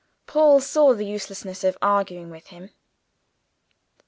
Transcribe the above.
Paul saw the uselessness of arguing with him.